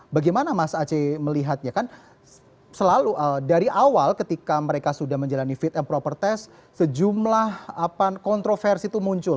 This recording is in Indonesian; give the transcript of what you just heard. bagaimana mas aceh melihatnya kan selalu dari awal ketika mereka sudah menjalani fit and proper test sejumlah kontroversi itu muncul